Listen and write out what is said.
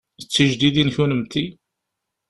D tijdidin kunemti?